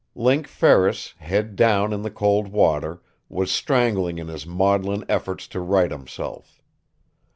Link Ferris, head down in the cold water, was strangling in his maudlin efforts to right himself.